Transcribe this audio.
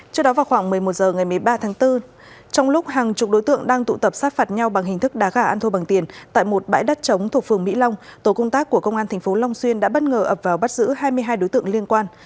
trước đó vào khoảng một mươi một h ngày một mươi ba tháng bốn trong lúc hàng chục đối tượng đang tụ tập sát phạt nhau bằng hình thức đá gà ăn thua bằng tiền tại một bãi đất trống thuộc phường mỹ long tổ công tác của công an tp long xuyên đã bất ngờ ập vào bắt giữ hai mươi hai đối tượng liên quan